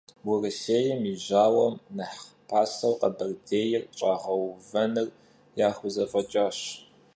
Vurısêym yi jauem nexh paseu Kheberdêyr ş'ağeuvenır yaxuzef'eç'aş.